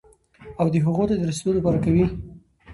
او د هغو ته د رسېدو لپاره قوي،